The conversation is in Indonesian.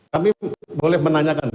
kami boleh menanyakan lagi